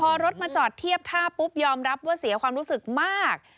พอรถมาจอดเทียบท่าปุ๊บยอมรับว่าเสียความรู้สึกมาก